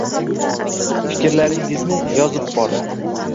Fikrlaringizni yozib boring.